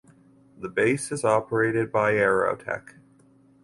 The base is operated by Aerotech.